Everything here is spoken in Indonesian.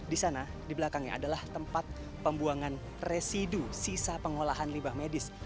di sana di belakangnya adalah tempat pembuangan residu sisa pengolahan limbah medis